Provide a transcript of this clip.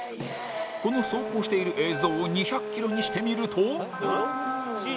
この走行している映像を２００ｋｍにしてみると。